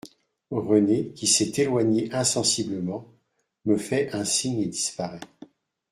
Renée, qui s'est éloignée insensiblement, me fait un signe et disparaît.